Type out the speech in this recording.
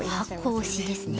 箱推しですね。